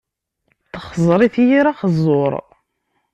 Texẓer-it yir axeẓẓur.